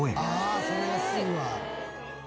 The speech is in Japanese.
ああそれは安いわ。